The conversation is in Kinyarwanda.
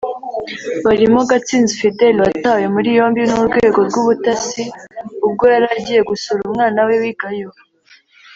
barimo Gatsinzi Fidele watawe muri yombi n’urwego rw’ubutasi ubwo yari agiye gusura umwana we wigayo